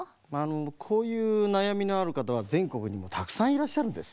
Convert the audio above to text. こういうなやみのあるかたはぜんこくにもたくさんいらっしゃるんです。